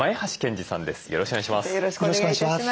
よろしくお願いします。